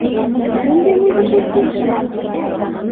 — Ниндәй музыка ти?